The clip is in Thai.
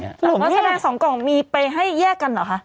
แต่เมื่อแพง๒กล่องมีเปย์ให้แยกกันเหรอคะ